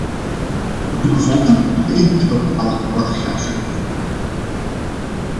Moet de bevolking of de elite bepalen wat er gaat gebeuren?